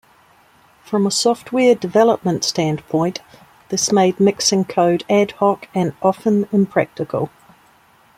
From a software development standpoint, this made mixing code ad hoc and often impractical.